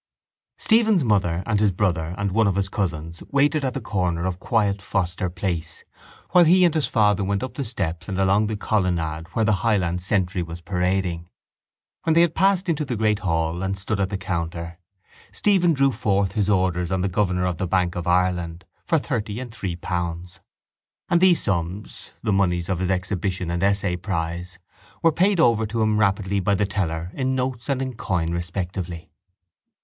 Stephen's mother and his brother and one of his cousins waited at the corner of quiet Foster Place while he and his father went up the steps and along the colonnade where the Highland sentry was parading. When they had passed into the great hall and stood at the counter Stephen drew forth his orders on the governor of the bank of Ireland for thirty and three pounds; and these sums, the moneys of his exhibition and essay prize, were paid over to him rapidly by the teller in notes and in coin respectively.